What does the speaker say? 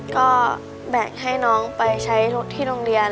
ก็แบ่งให้น้องไปใช้รถที่โรงเรียน